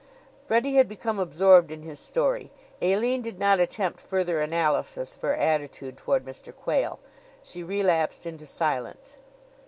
Freddie had become absorbed in his story. Aline did not attempt further analysis of her attitude toward Mr. Quayle; she relapsed into silence.